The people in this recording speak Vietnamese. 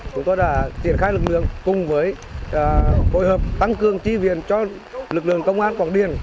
chúng tôi đã triển khai lực lượng cùng với hội hợp tăng cường chi viện cho lực lượng công an quảng điền